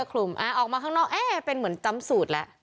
คลุมออกมาข้างนอกเอ๊ะเป็นเหมือนจำสูตรแล้ว